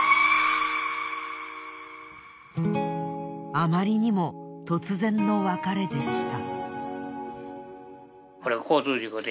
あまりにも突然の別れでした。